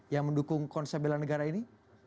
yang mendukung konsep bela negara ini